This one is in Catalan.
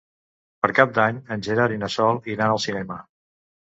Per Cap d'Any en Gerard i na Sol iran al cinema.